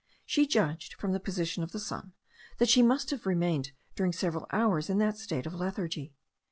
She judged, from the position of the sun, that she must have remained during several hours in that state of lethargy.